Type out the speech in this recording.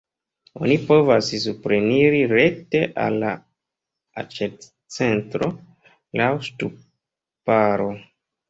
Oni povas supreniri rekte al la aĉetcentro laŭ ŝtuparo.